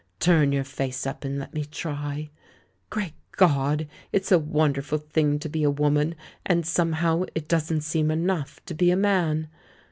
Turn your face up, and let me try. Great God I it's a wonderful thing to be a woman — and some how it doesn't seem enough to be a man.